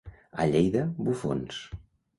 A Lleida, bufons.